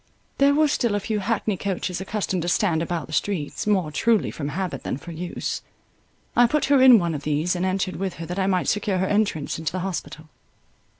There were still a few hackney coaches accustomed to stand about the streets, more truly from habit than for use. I put her in one of these, and entered with her that I might secure her entrance into the hospital.